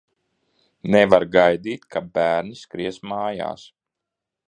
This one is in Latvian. Nevar gaidīt, ka bērni skries mājās.